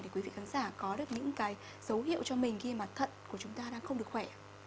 để quý vị khán giả có được những cái dấu hiệu cho mình khi mà thận của chúng ta đang không được khỏe